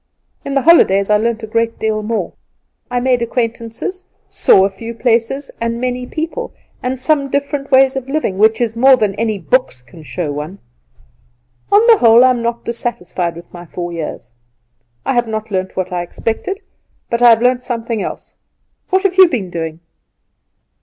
In the holidays I learnt a great deal more. I made acquaintances, saw a few places and many people, and some different ways of living, which is more than any books can show one. On the whole, I am not dissatisfied with my four years. I have not learnt what I expected; but I have learnt something else. What have you been doing?"